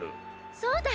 そうだ！